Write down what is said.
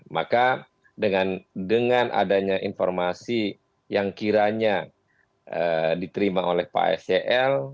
maka dengan adanya informasi yang kiranya diterima oleh pak sel